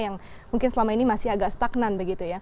yang mungkin selama ini masih agak stagnan begitu ya